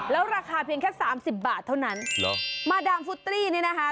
แล้วราคาเพียงแค่๓๐บาทเท่านั้นมาดามฟูตตี้นี่นะคะ